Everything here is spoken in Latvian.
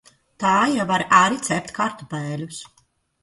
Tajā var arī cept kartupeļus.